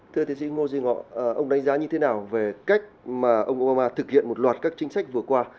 thưa tiến sĩ ngô duy ngọc ông đánh giá như thế nào về cách mà ông obama thực hiện một loạt các chính sách vừa qua